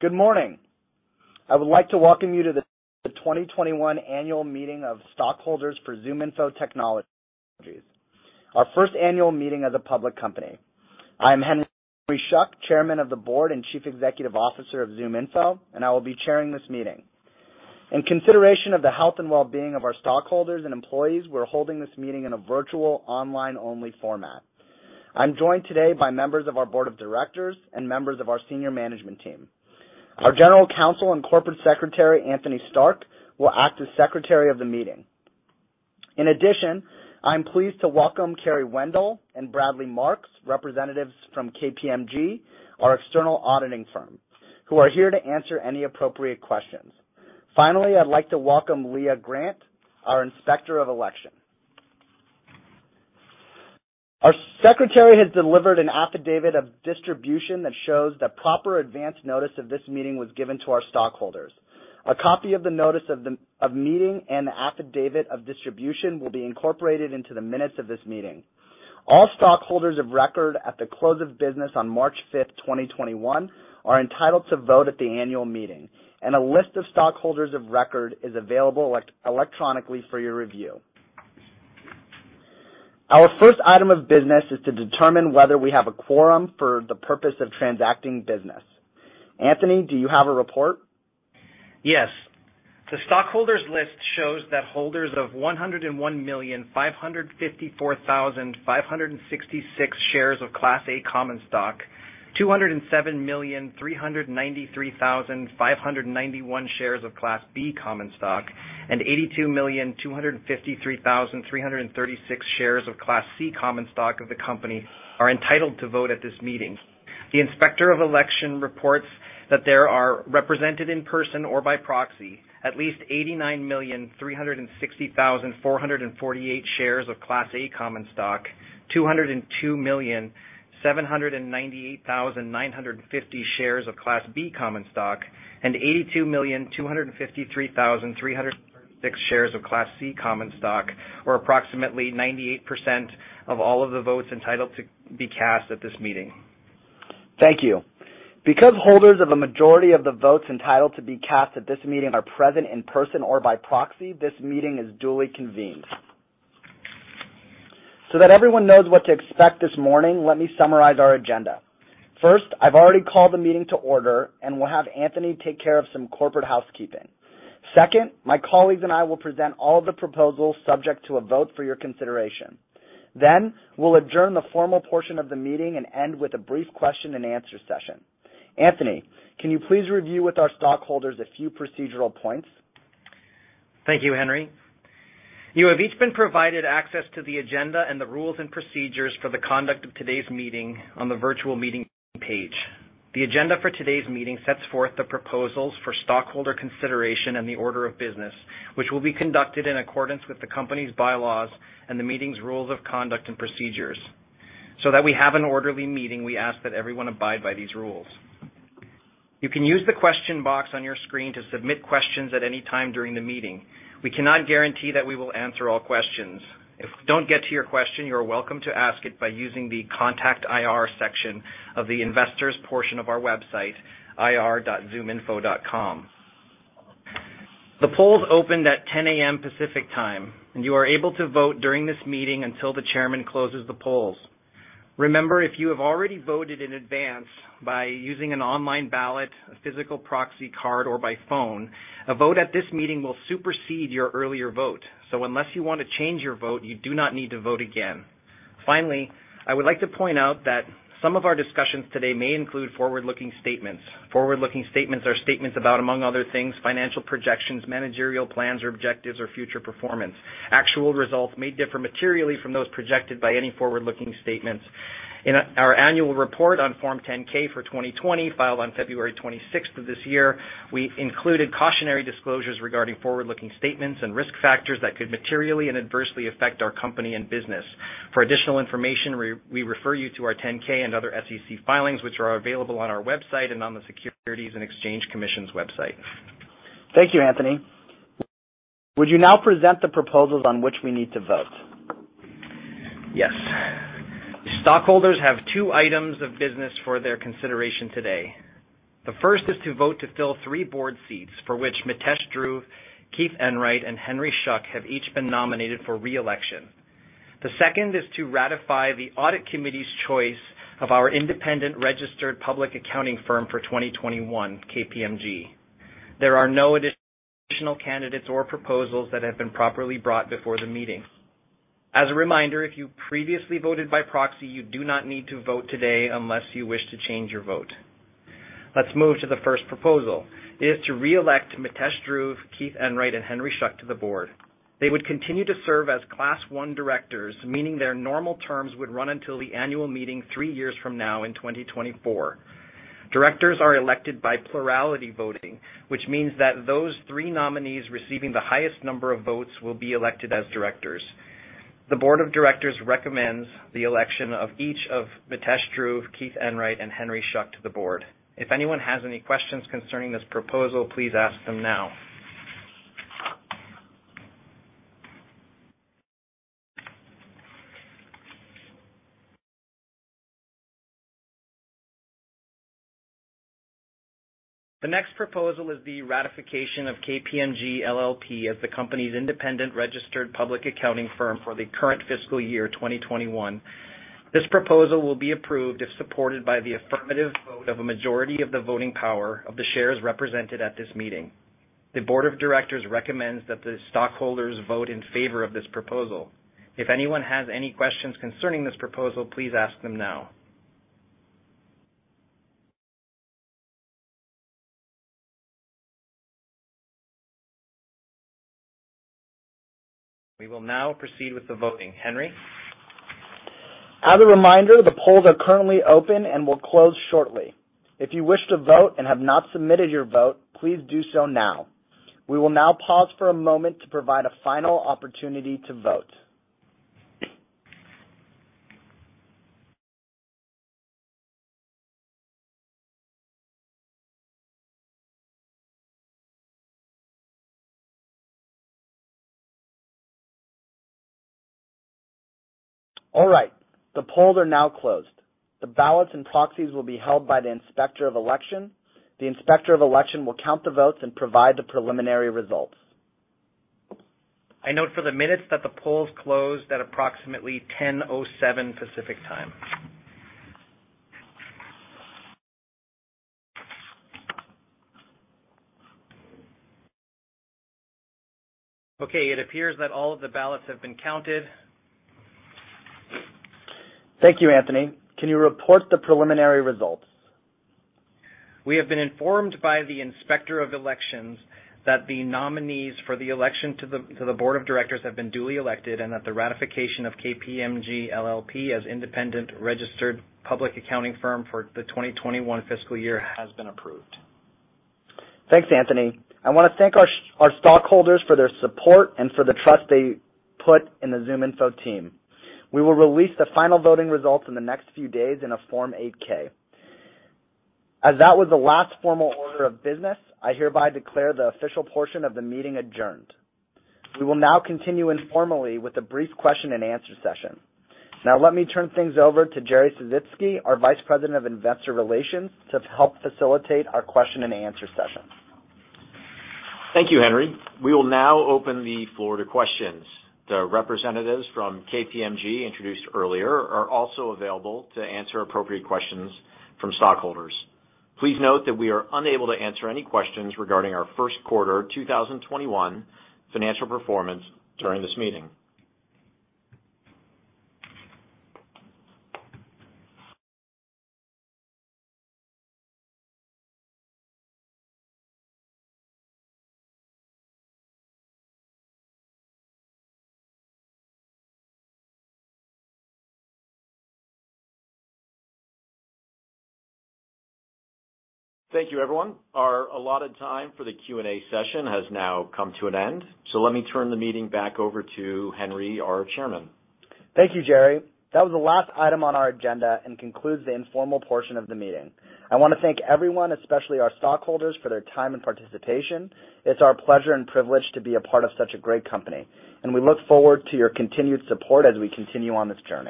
Good morning. I would like to welcome you to the 2021 Annual Meeting of Stockholders for ZoomInfo Technologies, our first annual meeting as a public company. I am Henry Schuck, Chairman of the Board and Chief Executive Officer of ZoomInfo, and I will be chairing this meeting. In consideration of the health and well-being of our stockholders and employees, we're holding this meeting in a virtual, online-only format. I'm joined today by members of our board of directors and members of our senior management team. Our General Counsel and Corporate Secretary, Anthony Stark, will act as Secretary of the meeting. In addition, I'm pleased to welcome Kerry Wendell and Bradley Marks, representatives from KPMG, our external auditing firm, who are here to answer any appropriate questions. Finally, I'd like to welcome Leah Grant, our Inspector of Election. Our secretary has delivered an affidavit of distribution that shows that proper advance notice of this meeting was given to our stockholders. A copy of the notice of meeting and the affidavit of distribution will be incorporated into the minutes of this meeting. All stockholders of record at the close of business on March 5th, 2021, are entitled to vote at the annual meeting, and a list of stockholders of record is available electronically for your review. Our first item of business is to determine whether we have a quorum for the purpose of transacting business. Anthony, do you have a report? Yes. The stockholders' list shows that holders of 101,554,566 shares of Class A common stock, 207,393,591 shares of Class B common stock, and 82,253,336 shares of Class C common stock of the company are entitled to vote at this meeting. The Inspector of Election reports that there are, represented in person or by proxy, at least 89,360,448 shares of Class A common stock, 202,798,950 shares of Class B common stock, and 82,253,336 shares of Class C common stock, or approximately 98% of all of the votes entitled to be cast at this meeting. Thank you. Because holders of a majority of the votes entitled to be cast at this meeting are present in person or by proxy, this meeting is duly convened. That everyone knows what to expect this morning, let me summarize our agenda. First, I've already called the meeting to order, and we'll have Anthony take care of some corporate housekeeping. Second, my colleagues and I will present all the proposals subject to a vote for your consideration. Then, we'll adjourn the formal portion of the meeting and end with a brief question and answer session. Anthony, can you please review with our stockholders a few procedural points? Thank you, Henry. You have each been provided access to the agenda and the rules and procedures for the conduct of today's meeting on the virtual meeting page. The agenda for today's meeting sets forth the proposals for stockholder consideration and the order of business, which will be conducted in accordance with the company's bylaws and the meeting's rules of conduct and procedures. That we have an orderly meeting, we ask that everyone abide by these rules. You can use the question box on your screen to submit questions at any time during the meeting. We cannot guarantee that we will answer all questions. If we don't get to your question, you are welcome to ask it by using the Contact IR section of the Investors portion of our website, ir.zoominfo.com. The polls opened at 10:00 AM Pacific Time, and you are able to vote during this meeting until the chairman closes the polls. Remember, if you have already voted in advance by using an online ballot, a physical proxy card, or by phone, a vote at this meeting will supersede your earlier vote. Unless you want to change your vote, you do not need to vote again. Finally, I would like to point out that some of our discussions today may include forward-looking statements. Forward-looking statements are statements about, among other things, financial projections, managerial plans or objectives, or future performance. Actual results may differ materially from those projected by any forward-looking statements. In our annual report on Form 10-K for 2020, filed on February 26th of this year, we included cautionary disclosures regarding forward-looking statements and risk factors that could materially and adversely affect our company and business. For additional information, we refer you to our 10-K and other SEC filings, which are available on our website and on the Securities and Exchange Commission's website. Thank you, Anthony. Would you now present the proposals on which we need to vote? Yes. Stockholders have two items of business for their consideration today. The first is to vote to fill three board seats for which Mitesh Dhruv, Keith Enright, and Henry Schuck have each been nominated for re-election. The second is to ratify the Audit Committee's choice of our independent registered public accounting firm for 2021, KPMG. There are no additional candidates or proposals that have been properly brought before the meeting. As a reminder, if you previously voted by proxy, you do not need to vote today unless you wish to change your vote. Let's move to the first proposal. It is to re-elect Mitesh Dhruv, Keith Enright, and Henry Schuck to the board. They would continue to serve as Class I Directors, meaning their normal terms would run until the annual meeting three years from now in 2024. Directors are elected by plurality voting, which means that those three nominees receiving the highest number of votes will be elected as directors. The board of directors recommends the election of each of Mitesh Dhruv, Keith Enright, and Henry Schuck to the board. If anyone has any questions concerning this proposal, please ask them now. The next proposal is the ratification of KPMG LLP as the company's independent registered public accounting firm for the current fiscal year, 2021. This proposal will be approved if supported by the affirmative vote of a majority of the voting power of the shares represented at this meeting. The board of directors recommends that the stockholders vote in favor of this proposal. If anyone has any questions concerning this proposal, please ask them now. We will now proceed with the voting. Henry? As a reminder, the polls are currently open and will close shortly. If you wish to vote and have not submitted your vote, please do so now. We will now pause for a moment to provide a final opportunity to vote. All right. The polls are now closed. The ballots and proxies will be held by the Inspector of Election. The Inspector of Election will count the votes and provide the preliminary results. I note for the minutes that the polls closed at approximately 10:07 Pacific Time. Okay, it appears that all of the ballots have been counted. Thank you, Anthony. Can you report the preliminary results? We have been informed by the Inspector of Election that the nominees for the election to the board of directors have been duly elected, and that the ratification of KPMG LLP as independent registered public accounting firm for the 2021 fiscal year has been approved. Thanks, Anthony. I want to thank our stockholders for their support and for the trust they put in the ZoomInfo team. We will release the final voting results in the next few days in a Form 8-K. As that was the last formal order of business, I hereby declare the official portion of the meeting adjourned. We will now continue informally with a brief question and answer session. Let me turn things over to Jerry Sisitsky, our Vice President of Investor Relations, to help facilitate our question and answer session. Thank you, Henry. We will now open the floor to questions. The representatives from KPMG, introduced earlier, are also available to answer appropriate questions from stockholders. Please note that we are unable to answer any questions regarding our first quarter 2021 financial performance during this meeting. Thank you, everyone. Our allotted time for the Q&A session has now come to an end. Let me turn the meeting back over to Henry, our chairman. Thank you, Jerry. That was the last item on our agenda and concludes the informal portion of the meeting. I want to thank everyone, especially our stockholders, for their time and participation. It's our pleasure and privilege to be a part of such a great company. We look forward to your continued support as we continue on this journey.